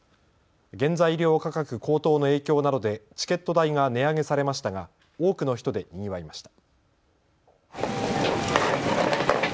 原材料価格高騰の影響などでチケット代が値上げされましたが多くの人でにぎわいました。